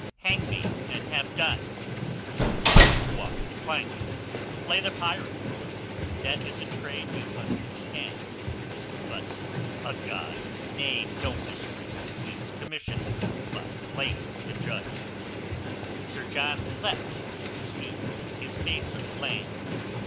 Hang me, and have done, or set me to walk the plank. Play the pirate, for that is a trade you understand. But a' God's name don't disgrace the Queen's commission by playing the judge." Sir John leapt to his feet, his face aflame.